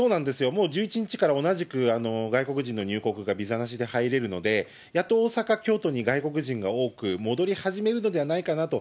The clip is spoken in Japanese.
もう１１月から同じく外国人の入国がビザなしで入れるので、やっと大阪、京都に外国人が多く戻り始めるのではないかと。